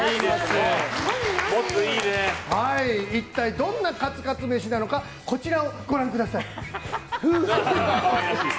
一体どんなカツカツ飯なのかこちらをご覧ください。